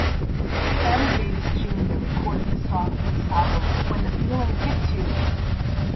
Sammy Davis, Junior recorded the song for this album When the Feeling Hits You!